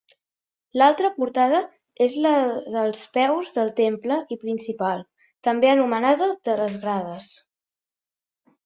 L'altra portada és la dels peus del temple i principal, també anomenada de les grades.